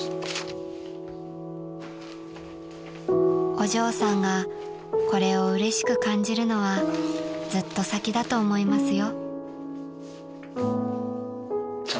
［お嬢さんがこれをうれしく感じるのはずっと先だと思いますよ］